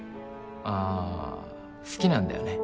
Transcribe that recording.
あぁ好きなんだよね